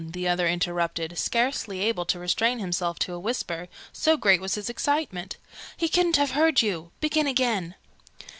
the other interrupted, scarcely able to restrain himself to a whisper, so great was his excitement. "He couldn't have heard you. Begin again!"